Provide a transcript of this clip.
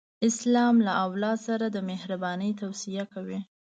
اسلام له اولاد سره د مهرباني توصیه کوي.